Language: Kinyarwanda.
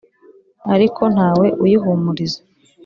ariko nta we uyihumuriza.